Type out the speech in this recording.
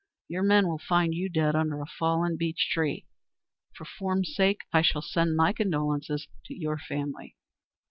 Your men will find you dead under a fallen beech tree. For form's sake I shall send my condolences to your family."